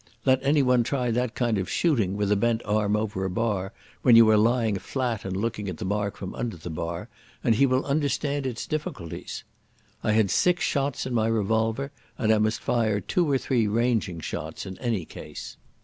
Let anyone try that kind of shooting, with a bent arm over a bar, when you are lying flat and looking at the mark from under the bar, and he will understand its difficulties. I had six shots in my revolver, and I must fire two or three ranging shots in any case.